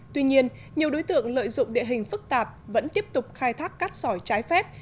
tuy nhiên nhiều đối tượng lợi dụng địa hình phức tạp vẫn tiếp tục khai thác cát sỏi trái phép